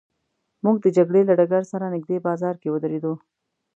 موږ د جګړې له ډګر سره نږدې بازار کې ودرېدو.